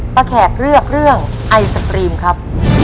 แขกเลือกเรื่องไอศกรีมครับ